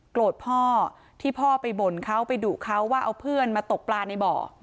พ่อที่พ่อไปบ่นเขาไปดุเขาว่าเอาเพื่อนมาตกปลาในบ่อ